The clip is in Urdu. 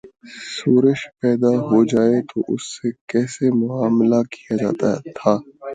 شورش پیدا ہو جائے تو اس سے کیسے معا ملہ کیا جاتا تھا؟